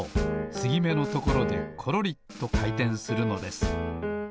つぎめのところでコロリとかいてんするのです。